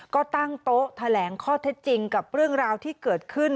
ก็ตั้งโต๊ะแถลงข้อเท็จจริงกับเรื่องราวที่เกิดขึ้น